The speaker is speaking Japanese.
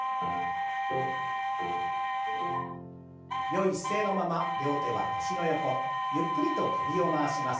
よい姿勢のまま両手は腰の横ゆっくりと首を回します。